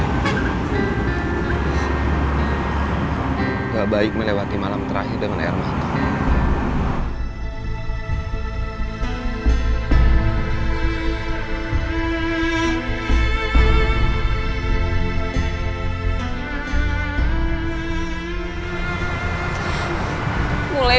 tidak baik melewati malam terakhir dengan hermann